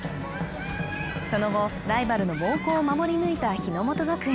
その後、ライバルの猛攻を守り抜いた日ノ本学園。